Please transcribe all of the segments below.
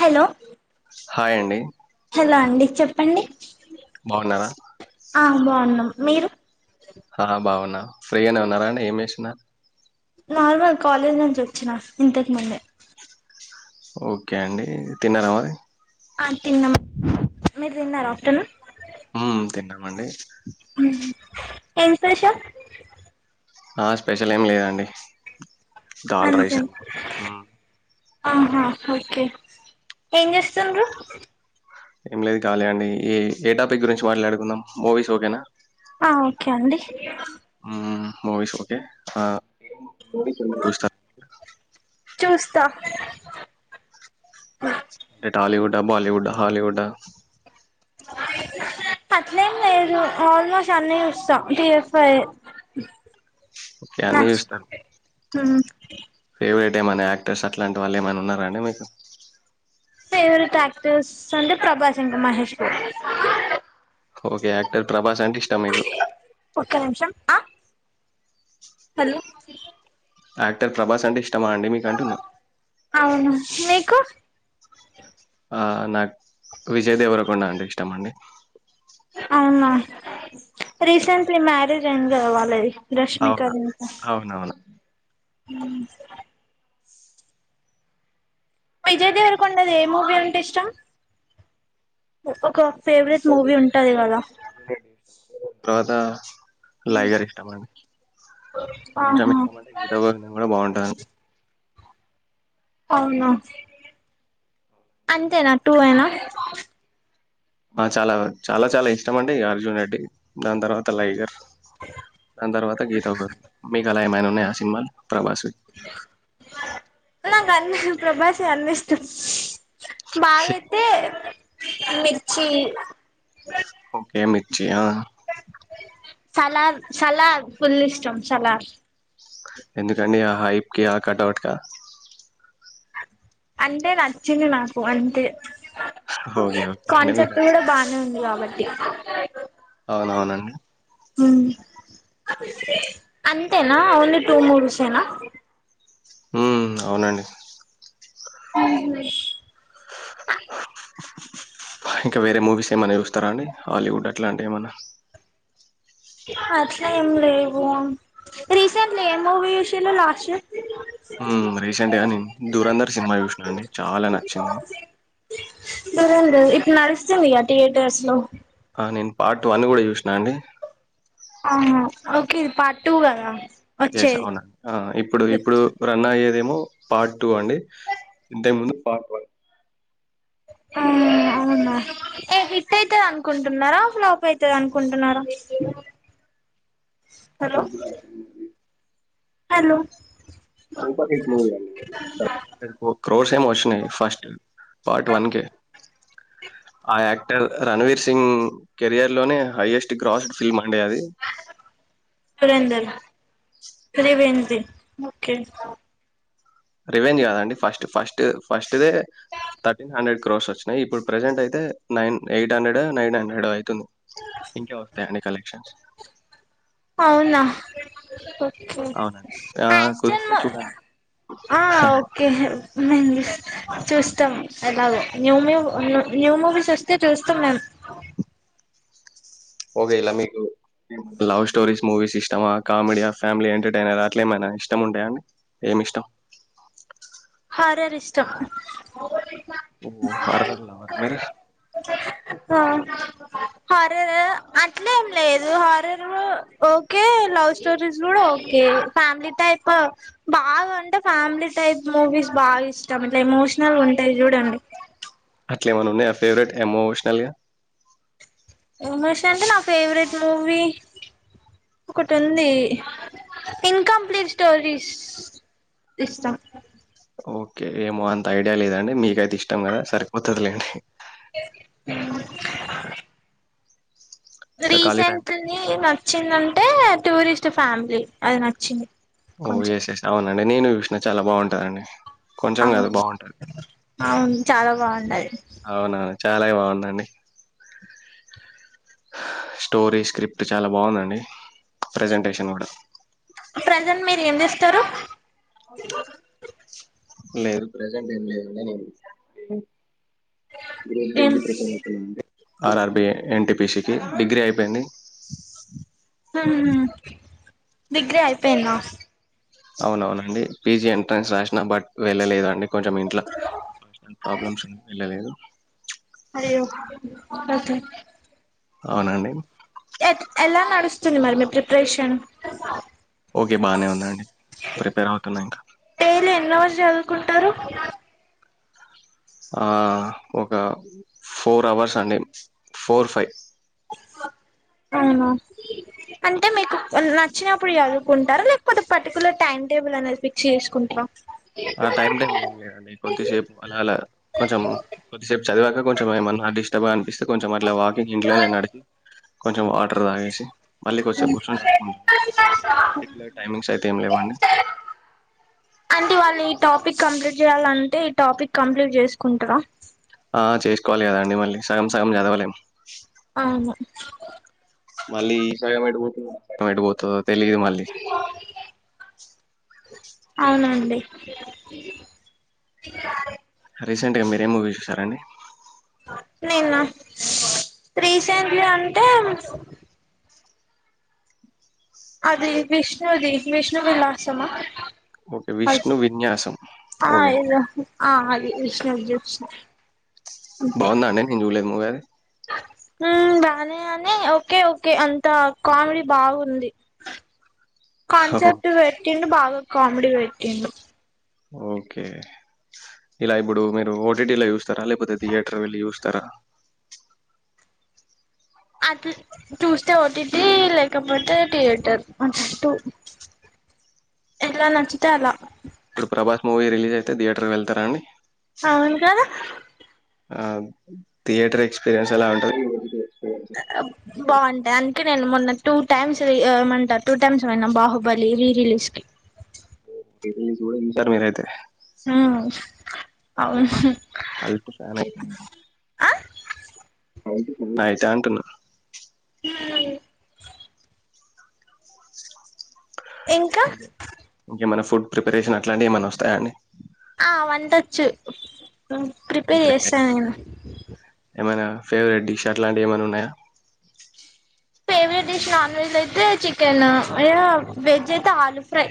Hello hi అండి hello అండి చెప్పండి బాగున్నారా? ఆ బాగున్నం మీరు హ బావున్నా ఫ్రీగానే ఉన్నారండి ఏం చేస్తున్నారు నార్మల్ కాలేజ్ నుంచి వచ్చినా ఇంతకు ముందే ఓకే అండి తిన్నారమరి తిన్నా మీరు తిన్నారా ఆఫ్టర్నూన్ హమ్ తింన్నమండి ఎం స్పెషల్ ఆ స్పెషల్ ఏం లేదండి దాల్ రైస్ అంతేనా అంతే. హ్మ్. ఆహా ఓకే ఏం చేస్తుండ్రు ఏం లేదు కాలి అండి ఈ ఏ టాపిక్ గురించి మాట్లాడుకుందాం మూవీస్ ఓకేనా ఆ ఓకే అండి వాయిస్ ఓకే మ చూస్తా అంటే టాలీవుడ్ బాలీవుడ్ హాలీవుడ్ అట్లేం లేదు ఆల్మోస్ట్ అన్నీ చూస్తాం టిఎఫ్ఐ ఓకే. నా అన్నీ ఫేవరెేట్ ఏమనా యాక్టర్స్ అట్లాంటి వాళ్ళు ఏమైనా ఉన్నారాండి మీకు ఫేవరెట్ యాక్టర్స్ అంటే ప్రభాస్ ఇక మహేష్ కు ఓకే యాక్టర్ ప్రభాస్ అంటే ఇష్టామకు ఒక్క నిమిషం ఆ హలో యాక్టర్ ప్రభాస్ అంటే మ అండి మీకంటున్న అవును మీకు నాకు విజయ్ దేవరకొండ అంటె ఇష్టం అండి అవునా రిసెట్లీ మ్యారిజ గ వాళ్ళది రష్మిక అవునా రంకా అవునవును హ్మ్ విజయ్ దేవర్ కొండది ఏ మూవ ఉంటే ఇష్టం ఒక ఫేవరెట్ మూవీ ఉంటది కదా లయగర్ ఇష్టం అండి కొంచెం ఆహా ఇష్టం అంటే గీత భగ్నం కూడా బాగుంటంది అవునా అంతేనా టూ అేనా ఆ చాలా చాలా చాలా ఇష్టం అండి అర్జున్ రెడ్డి దాని తర్వాత లైగర్ దాని తర్వాత గీత ఒక మీకు అలా ఏమైనా సిమాల్ ప్రబాస్ అన్న ప్రభాష అన్ని ఇష్టం బాగాయితే మిర్చి ఓకే మిచ్చయా సలార్ సలార్ ఫుల్ ఇష్టం సలార్ ఎందుకండి ఆ హైప్కి కటౌట్కా అంటే నచ్చింది నాకు అంతే ఓకే ఓకే అండి మీకు కాన్సెప్ట్ కూడా నచ్చింది బానే ఉంది కాబట్టి అవునవునండి అంతేనా ఓన్లీ టూ మూర్సేనా ఉమ్ అవునండి అ ఇంకా వేరే మూవీస్ ఏమన్నా చూస్తారా అండి హాలీవుడ్ అట్లా అంటే ఏమన్నా అట్లే ఏం లేవు రీసెంట్లీ ఏ మూవీ విూషలు లాస్ట్ ఇర్ రీసెంట్ గా నేను దూరంధర్ సినిమా చూసినానండి చాలా నచ్చింది సరేండి ఇప్పుడు నడుస్తుందియా థియేటర్స్ లో ఆ నేను పార్ట్ వన్ని కూడా చూసినా అండి ఆ ఓకే ఇది పార్ట్ టూ కదా ఎస్ వచ్చేది అవునండి ఇప్పుడు ఇప్పుడు రన్ అయ్యేది పార్ట్ టూ అండి ఇంతై ముందు పార్ట్ వన్ ఆ అవునా ఏ హిట్ అవుతుంది అనుకుంటున్నారా ఫ్లాప్ అవుతుంది అనుకుంటున్నారా hello [inaudible] hello super Haq movie అ క్రోర్స్ ఏం వచ్చినాయి ఫస్ట్ పార్ట్ వన్ క ఆ యాక్టర్ రణవీర్ సింగ్ కెరియర్ లోనే హైయెస్ట్ గ్రాస్డ్ ఫిల్మ్ అది ఫీ వెంది ఓకే రివెన్జ్ కాదండి ఫస్ట్ ఫస్ట్ ఫస్ట్దే థర్టీన్ హండ్రెడ్ కోర్స్ వచ్చినాయి ఇప్పుడు ప్రజెంట్ అయితే nine eight hundred nine hundred అవుతుంది ఇంకే వస్తాయి అండి వ అవునా ఓకే అవునండి ఆ కుదిరితే ఆస్టన్ చూడండి ఆ ఓకే చూస్తాం ఎలాగో న్యూ మూవీ న్యూ మూవీస్ వస్తే చూస్తాం మేము ఓకే ఇలా మీకు లవ్ స్టోరీస్ మూవీస్ ఇష్టమా కామెడీయా ఫ్యామిలీ ఎంటర్టైనర్ అట్లే ఏమైనా ఇష్టం ఉంటాయా అండి ఏమి ఇష్టం హారర్ ఇష్టం ఓ హారర్ లవర్ ఆ మీరు హారర్ అట్లేం లేదు హారర్ ఓకే లవ్ స్టోరీస్ కూడా ఓకే ఫ్యామిలీ టైప్ బాగాంటే ఫ్యామిలీ టైప్ మూవీస్ బాగా ఇష్టం ఇట్లా ఎమోషనల్ ఉంటాయి చూడండి అట్లేమన ఉన్నాయి ఆ ఫేవరెట్ ఎమోషనల్గా విమర్శ అంటే నా ఫేవరెట్ మూవీ ఒకటి ఉంది ఇన్కంప్లీట్ స్టోరీస్ ఇష్టం ఓకే ఏమో అంత ఐడియా లేదండి మీకైతే ఇష్టం కదా సరిపోతుదిలేండి అ ఇంకా ఖాళీ టైం రీసెంట్ ని నచ్చిందంటే టూరిస్ట్ ఫ్యామిలీ అది నచ్చింది ఓ కొంచెం ఎస్ ఎస్ అవునండి నేను చాలా బాగుంటాదాండి అ అవును చాలా బాగుండది అవున చాలా బాగుందండి స్టోరీ స్క్రిప్ట్ చాలా బాగుందండి ప్రెజెంటేషన్ కూడా ప్రజెంట్ మీరు ఏం చేస్తారు అవు లేదు ప్రెజెంట్ ఏం లేదు ఏం [inaudible] ఆర్ఆర్బి ఎన్టీపిసికి డిగ్రీ అయిపోయింది హ డిగ్రీ అయిపోయిందా అవునవునండి పీజీ ఎంట్రన్స్ రాసినా బట్ వెళ్ళలేదండి కొంచెం ఇంట్లో ప్రాబ్లమ్స్ వెళ్ళలేదు అయ్యో ఓకే అవునండి ఎట్ ఎలా నడుస్తుంది మరి మీ ప్రిపరేషన్ ఓకే బాగానే ఉందండి ప్రిపేర్ అవుతున్నా ఇంకా రోజు చదుకుంటారు ఆ ఒక ఫోర్ అవర్స్ అండి ఫోర్ ఫైవ్ అవునా అంటే మీకు నచ్చినప్పుడు చదువుకుంటారా లేకపోతే పర్టికులర్ టైమ్ టేబుల్ అనేది ఫిక్స్ చేసుకుంటారా ఆ టైమ్ టేబుల్ ఏం లేదండి కొద్దిసేపు అలా అలా కొంచెం కొద్దిసేపు చదివాక కొంచెం ఏమన్నా టాబా అనిపిస్తే కొంచెం వాకింగ్ ఇంట్లో నడి కొంచెం అట్ వాటర్ తాగేసి మళ్ళీ కాసేప్ కూర్చొని పర్టికులర్ టైమింగ్స్ అయితే ఏం లేవండి అంటే వాళ్ళు ఈ టాపిక్ కంప్లీట్ చేయాలంటే ఈ టాపిక్ కంప్లీట్ చేసుకుంటారా ఆ చేసుకోవాలి కదా అండి మళ్ళీ సగం సగం చదవలేం ఆమ మళ్ళీ సాయమేటు మెట్టుపోత్ ఆ తెలీదు మళ్ళీ అవునండి రీసెంట్గా మీరేం మూవీ చూసారండి నిన్న రీసెంట్లీ అంటే అది విష్ణు అది విష్ణు వలాసమా ఓకే అ విష్ణు విన్యాసం ఓకే ఆ అ విష్ణష్ణ బాగుందా అండి నేను చూలేదు మవ్వేది ఉమ్ బాగా అనే ఓకే ఓకే అంత కామెడీ బాగుంది కాన్సెప్ట్ వేటిండు బాగా కామెడి పెట్టిండు ఓకే ఇలా ఇప్పుడు మీరు ఓటీటీలో చూస్తారా లేకపోతే థియేటర్ వెళ్ళి చూస్తారా అట్ చూస్తే ఓటీటీ లేకపోతే థియేటర్ అటు ఎలా నచ్చితే అలా ఇప్పుడు ప్రభాస్ మూవీ రిలీజ్ అయితే థియేటర్కి వెళ్తారాండి అవును కదా ఆ థియేటర్ ఎక్స్పీరియన్స్ ఎలా ఉంటది ఎక్స్పీరియన్స్ బాగుంటాయ్ అందుకే నేను మొన్న టూ టైమ్స్ ఏమంట టూ టైమ్స్ పోయిన బాహుబలి రీ రిలీజ్ కి రెస్కూడ ఇంటారు మీరయితే ఆ కల్పు ఫ్యాన్ ఏయ్ ఆ అయితాయ్ అంటున్నా హుమ్ ఇంకా ఓకే మన ఫుడ్ ప్రిపరేషన్ అట్లాంటివి ఏమన్నా వస్తాయా అండి ఆ వంటొచ్చు హుమ్ ప్రిపేర్ గ్రేట్ చేస్తా నేను ఏమైనా ఫేవరెట్ డిష్ అట్లాంటివి ఏమైనా ఉన్నాయా ఫేవరెట్ డిష్ నాన్ వెజ్ అయితే చికెన్ వెజ్ అయితే ఆలు ఫ్రై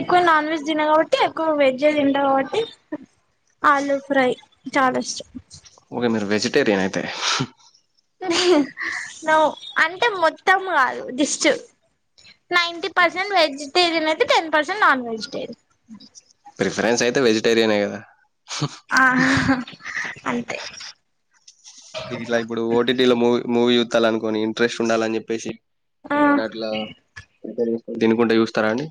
ఎక్కువ నాన్ వెజ్ తిన కాబట్టి ఎక్కువ వెజ్ తింట కాబట్టి ఆలు ఫ్రై చాలా ఇష్టం ఓకే మీరు వెజిటేరియన్ అయితే నవ్వు అంటే మొత్తం కాదు దిస్ట్ నైంటీ పర్సెంట్ వెజ్ టేరియన్ అయితే ten percent non vegetarian preference అయితే వెజిటేరియనే కదా ఆ అంతే ఇట్లా ఇప్పుడు ఓ టీ టీ లో మూవీ మూవీ తలనుకొని ఇంట్రెస్ట్ ఉండాలని చెప్పేసి ఆ ఏమన్న అట్లా ప్రిపేర్ తినుకుంట చూస్తారా అండి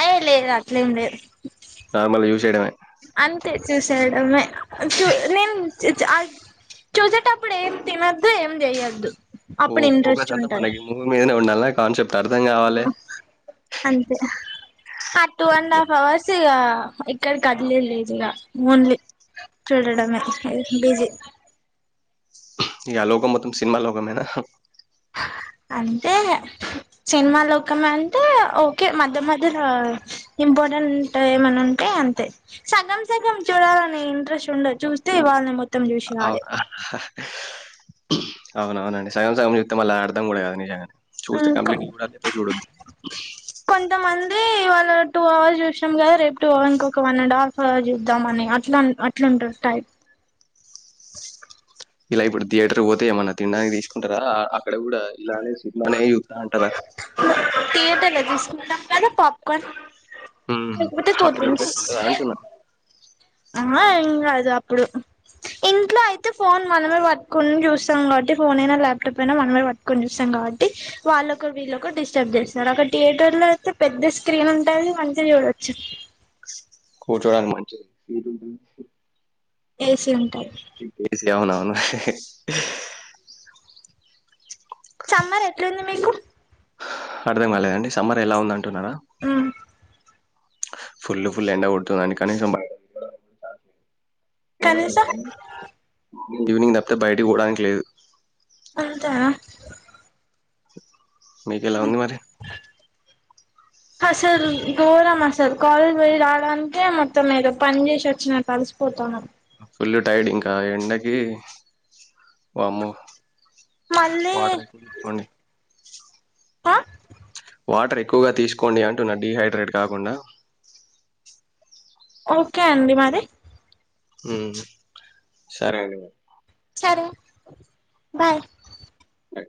అయ్యో లేదు అట్లెం లేదు నార్మల్గా చూసేయడమే అంతే చూసెడమే చూ నేను చూ చా ఆ చూసేటప్పుడు ఏం తినొద్దు ఏం చేయొద్దు ఓ ఫోకస్ అంతా మన ఈ మూవి మీదనే ఉండాల్న కాన్ చెెప్ ఆ అంతే ఆ టూ అండ్ అయ్యా హాఫ్ అవర్స్ ఇగ ఇక్కడ కదిలింది ఇంగ ఓన్లీ చూడడమే బిజీ ఇగ లోకం మొత్తం సినిమా లోకమేన అంతే సినిమా లోకం అంటే ఓకే మధ్య మధ్య ఇంపార్టెంట్ ఏమని ఉంటే అంతే సగం సగం చూడాలని ఇంట్రెస్ట్ ఉండదు చూస్తే ఇవాళ మొ అవు అవున అవునండి సగ సగం చెప్తే మళ్ళ అర్ధం కూడా కాదు నిజంగా అన్కో కొంతమంది వాళ్ళ టూ అవర్స్ చూసాం కదా రేపు టూ అవర్స్ ఒక వన్ అండ్ హాఫ్ అవర్ చూద్దామని అట్లా అట్లాంటారు టైప్ ఇలా ఇప్పుడు థియేటర్ పోతే ఏమన్నా తిన్డానికి తీసుకుంటారా అక్కడ కూడా ఇలానే [unintelligible] థియేటర్లో జూస్ గదే పాప్కాన్ మ్మ్. లేక్పోతే కూల్ అప్పుడు డ్రింగ్స్ ఇంట్రెస్ట్ ఉంటదా అంటున్నా ఆ ఏం కాదు అప్పుడు ఇంట్లో అయితే ఫోన్ మనమే పట్టుకొని చూస్తాం. కాబట్టి ఫోన్ అయినా ల్యాప్టాప్ అయినా మనమే పట్టుకొని చూస్తాం కాబట్టి వాళ్ళకు వీళ్ళ ఒక డిస్టర్బ్ చేస్తారు. ఒక థియేటర్ లో అయితే పెద్ద స్క్రీన్ ఉంటుది మంచిగ్ చూడొచ్చు. హోడ్రాయి మంచిది ఏసీ ఉంటాయ్ ఏసి అవునా అవును చమ్మర్ ఎట్లుంది మీకు అర్థం కాలేదండి సమ్మర్ ఎలా ఉంద అంటున్నారా ఉమ్ ఫుల్ ఫుల్ ఎండ కొడుతుందని కానీ కనీస కనీసా ఇంక ఈవినింగ్ తప్తే బయటకి పోవడానికి లేదు అదా మీకు ఎలా ఉంది మరి అసలు గోరం అసలు కాలేజ్ పోయి రావడానికే మొత్తం ఏదో పని చేసి వచ్చినట్టు అలసిపోతానను ఫుల్ టైడ్ ఇంకా ఎండకి వామ్మో మళ్ళీ వాటర్ ఎక్కువ తీసుకోండి హ వాటర్ ఎక్కువగా తీసుకోండి అంటున్న డిహైడ్రేట్ కాకుండా ఓకే అండి మరి ఉమ్ సరే అండి సరే బాయ్ బాయ్